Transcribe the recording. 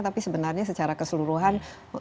tapi sebenarnya secara keseluruhan